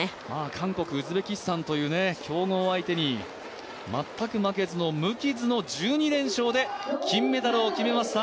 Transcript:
韓国、ウズベキスタンという強豪相手に全く負けずの無傷の１２連勝で金メダルを決めました。